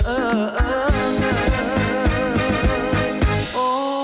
เออเออเออเออเออเออ